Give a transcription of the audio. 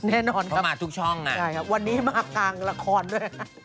เพราะมาทุกช่องน่ะใช่ครับวันนี้มากลางละครด้วยครับ